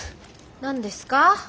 何ですか？